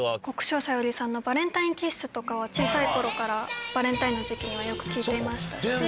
国生さゆりさんの『バレンタイン・キッス』とかは小さい頃からバレンタインの時期にはよく聴いていましたし。